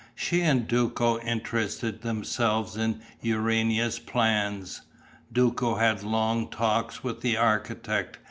She and Duco interested themselves in Urania's plans; Duco had long talks with the architect.